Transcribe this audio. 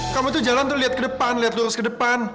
kamu tuh jalan tuh liat ke depan liat lurus ke depan